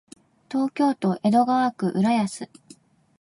東京都江戸川区浦安